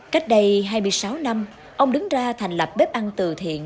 cách đây hai mươi sáu năm ông đứng ra thành lập bếp ăn từ thiện